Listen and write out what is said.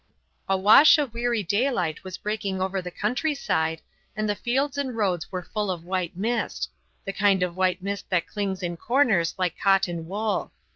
A wash of weary daylight was breaking over the country side, and the fields and roads were full of white mist the kind of white mist that clings in corners like cotton wool.